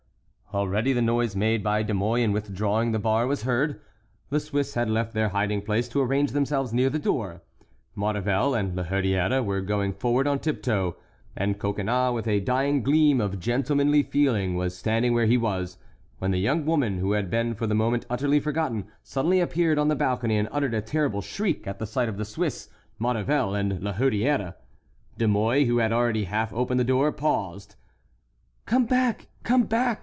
Already the noise made by De Mouy in withdrawing the bar was heard. The Swiss had left their hiding place to arrange themselves near the door, Maurevel and La Hurière were going forward on tiptoe, and Coconnas with a dying gleam of gentlemanly feeling was standing where he was, when the young woman who had been for the moment utterly forgotten suddenly appeared on the balcony and uttered a terrible shriek at the sight of the Swiss, Maurevel, and La Hurière. De Mouy, who had already half opened the door, paused. "Come back! come back!"